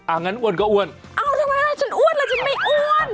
อ้างั้นอ้วนก็อ้วนเอ้าทำไมล่ะฉันอ้วนหรอฉันไม่อ้วน